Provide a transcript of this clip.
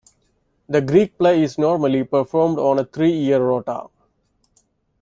The Greek play is normally performed on a three-year rota.